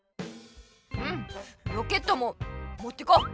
うんロケットももってこう。